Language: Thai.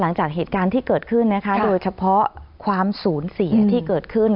หลังจากเหตุการณ์ที่เกิดขึ้นนะคะโดยเฉพาะความสูญเสียที่เกิดขึ้น